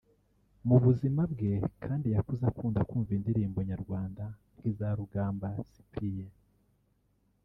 Mu buzima bwe kandi yakuze akunda kumva indirimbo nyarwanda nk’ iza Rugamba Cyprien